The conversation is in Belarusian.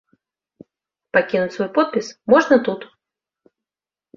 Пакінуць свой подпіс можна тут.